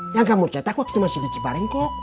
yang kamu cetak waktu masih di ciparingkok